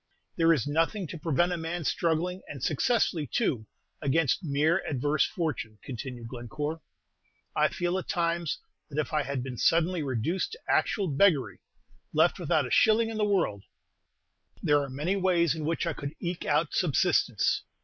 "There is nothing to prevent a man struggling, and successfully too, against mere adverse fortune," continued Glencore. "I feel at times that if I had been suddenly reduced to actual beggary, left without a shilling in the world, there are many ways in which I could eke out subsistence.